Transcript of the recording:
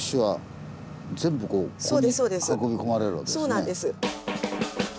そうなんです。